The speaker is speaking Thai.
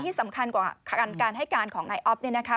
สำคัญกว่าการให้การของนายอ๊อฟเนี่ยนะคะ